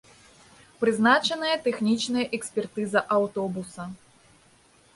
Прызначаная тэхнічная экспертыза аўтобуса.